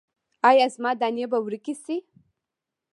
ایا زما دانې به ورکې شي؟